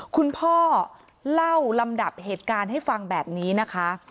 คุณพ่อเล่าลำดับเหตุการณ์ให้ฟังแบบนี้นะคะ